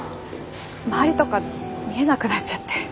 周りとか見えなくなっちゃって。